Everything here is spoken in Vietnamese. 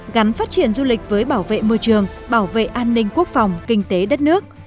gắn phát triển du lịch với bảo vệ môi trường bảo vệ an ninh quốc phòng kinh tế đất nước